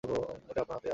এটা আপনার হাতেই আছে।